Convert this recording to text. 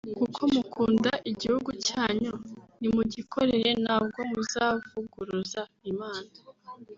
“Kuko mukunda igihugu cyanyu ni mugikorere ntabwo muzavuguruza Imana